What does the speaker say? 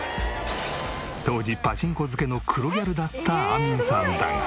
当時パチンコ漬けの黒ギャルだったあみんさんだが。